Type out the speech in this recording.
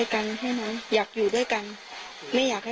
ก่อนที่เขาจะเอาเรามาส่ง